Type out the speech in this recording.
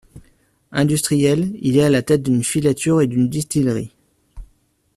Industriel, il est à la tête d'une filature et d'une distillerie.